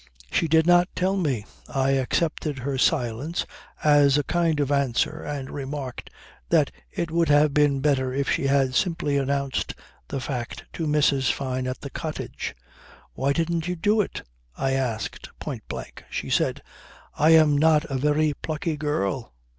"She did not tell me. I accepted her silence, as a kind of answer and remarked that it would have been better if she had simply announced the fact to Mrs. Fyne at the cottage. "Why didn't you do it?" I asked point blank. She said: "I am not a very plucky girl."